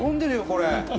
これ。